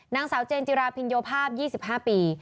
นางสาวเจนจิราพินโยภาพ๒๕ปี